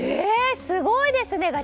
すごいですね！